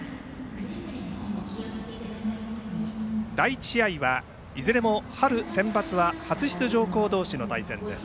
第１試合はいずれも春センバツは初出場校同士の対戦です。